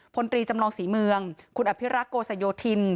พลตรีจำลองศรีเมืองคุณอภิรักษ์โกสโยธิน